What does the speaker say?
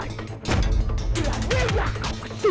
tidak ada yang kau kesini